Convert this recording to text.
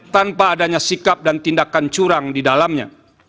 tanpa adanya sikap dan tindakan curang di dalamnya